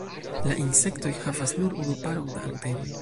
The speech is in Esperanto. La Insektoj havas nur unu paron da antenoj.